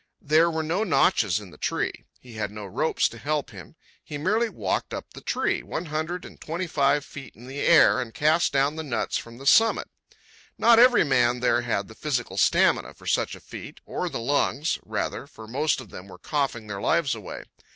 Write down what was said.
There were no notches in the tree. He had no ropes to help him. He merely walked up the tree, one hundred and twenty five feet in the air, and cast down the nuts from the summit. Not every man there had the physical stamina for such a feat, or the lungs, rather, for most of them were coughing their lives away.